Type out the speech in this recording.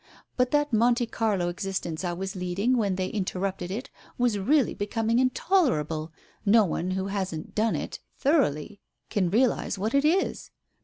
But that Monte Carlo existence I was leading when they interrupted it, was really becoming intoler able ! No one who hasn't done it, thoroughly can realize what it is.